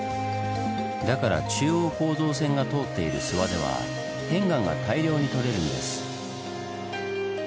だから中央構造線が通っている諏訪では片岩が大量にとれるんです。